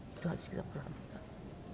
itu harus kita perhatikan